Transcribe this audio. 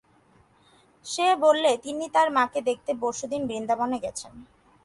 সে বললে, তিনি তাঁর মাকে দেখতে পরশুদিন বৃন্দাবনে গেছেন।